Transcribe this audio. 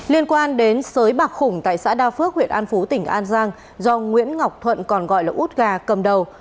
liên quan đến sới bạc khủng tại xã đa phước huyện an phú tỉnh an giang do nguyễn ngọc thuận còn gọi là út gà cầm đầu